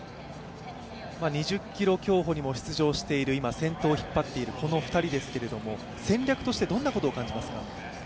２０ｋｍ競歩にも出場している、今、先頭を引っ張っているこの２人ですけれども、戦略としてどんなことを感じますか。